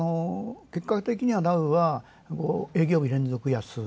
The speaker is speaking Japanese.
結果的にはダウは営業日連続安。